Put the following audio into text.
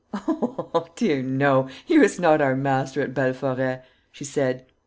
"Oh dear no, he was not our master at Belforêt," she said.